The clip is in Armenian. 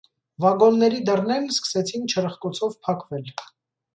Վագոնների դռներն սկսեցին չրխկոցով փակվել: